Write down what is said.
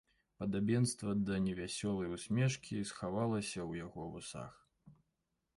Падабенства да невясёлай усмешкі схавалася ў яго вусах.